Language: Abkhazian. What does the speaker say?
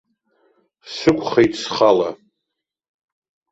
Сықәхеит схала.